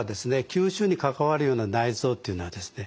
吸収に関わるような内臓というのはですね